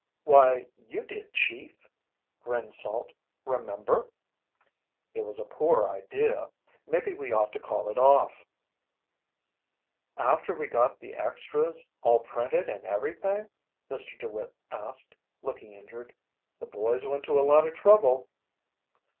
"Why, you did, Chief," grinned Salt. "Remember?" "It was a poor idea. Maybe we ought to call it off." "After we got the extras all printed an' everything?" Mr. DeWitt asked, looking injured. "The boys went to a lot of trouble."